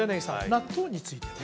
納豆については？